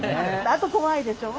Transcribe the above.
あと怖いでしょう？